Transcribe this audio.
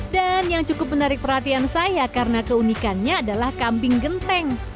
dan yang cukup menarik perhatian saya karena keunikannya adalah kambing genteng